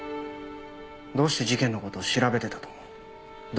どうして事件の事を調べてたと思う？